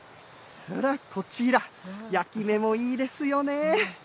こちら、焼き目もいいですよね。